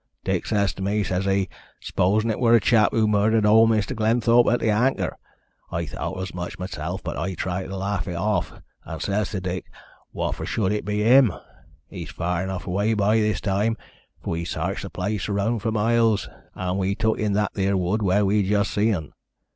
Dick says to me, says 'e, 'S'posen it wor the chap who murdered owd Mr. Glenthorpe at the Anchor?' I thowt as much meself, but a' tried to laugh it off, and says to Dick, 'What for should it be him? He's far enough away by this time, for we s'arched the place round fur miles, and we took in that theer wood where we just see un.'